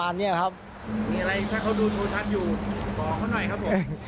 มีอะไรถ้าเขาดูโชว์ชัดอยู่บอกเขาหน่อยครับผม